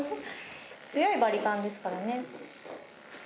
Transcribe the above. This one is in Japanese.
強いバリカンですからね。